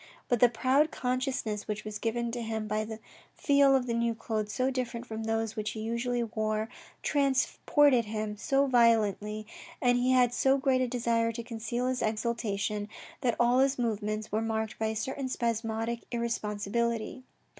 But the proud consciousness which was given to him by the feel of clothes so different from those which he usually wore, transported him so violently and he had so great a desire to conceal his exultation, that all his movements were marked by a certain spasmodic irresponsibility.